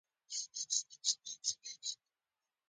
لومدین زیاته کړه زه له دغه رژیم سره.